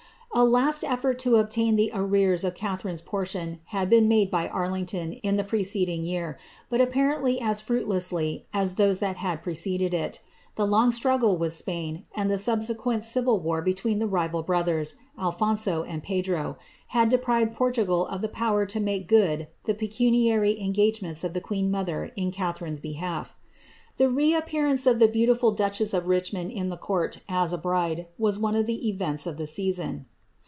A last efibrt to obtain the arrears of Catharine's portion ha made by Arlington in the preceding year, but apparently as fm as those that had preceded it. TIic long struggle witli Spain, ai sequent civil war between the rival brothers, Alphonso and Ped deprived Portugal of the power to make good the pecuniary \ ments of the queen mother in Catliarine^s belialf. The re appearance of the beautiful duchess of Richmond in th as a bride, was one of the events of the season.